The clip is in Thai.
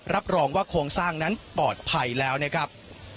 รับรองว่าโครงสร้างนั้นปลอดภัยแล้วนะครับ